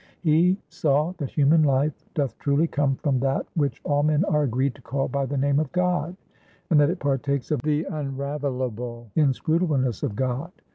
He saw that human life doth truly come from that, which all men are agreed to call by the name of God; and that it partakes of the unravelable inscrutableness of God.